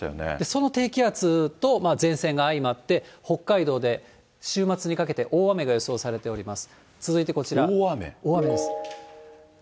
その低気圧と前線が相まって、北海道で週末にかけて、大雨が予想されております。